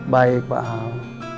baik pak al